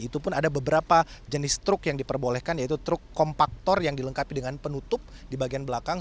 itu pun ada beberapa jenis truk yang diperbolehkan yaitu truk kompaktor yang dilengkapi dengan penutup di bagian belakang